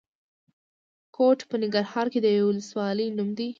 کوټ په ننګرهار کې د یوې ولسوالۍ نوم دی.